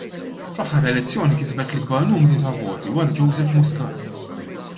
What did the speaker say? Fl-aħħar elezzjoni kisbet l-ikbar numru ta' voti wara Joseph Muscat.